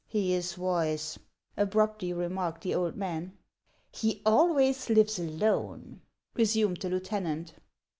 " He is wise," abruptly remarked the old man. " He always lives alone," resumed the lieutenant.